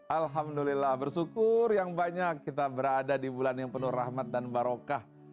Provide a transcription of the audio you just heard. alhamdulillah bersyukur yang banyak kita berada di bulan yang penuh rahmat dan barokah